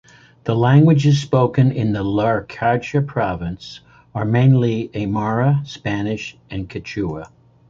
The languages spoken in the Larecaja Province are mainly Aymara, Spanish and Quechua.